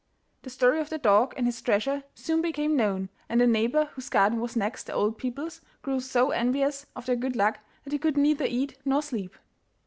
The story of the dog and his treasure soon became known, and a neighbour whose garden was next the old people's grew so envious of their good luck that he could neither eat nor sleep.